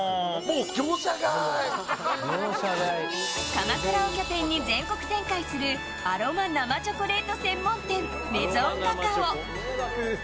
鎌倉を拠点に全国展開するアロマ生チョコレート専門店メゾンカカオ。